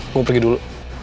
gua pergi dulu